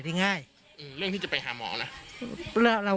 พ่อต้องไปตรวจครับ